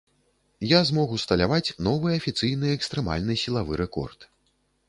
Я змог усталяваць новы афіцыйны экстрэмальны сілавы рэкорд.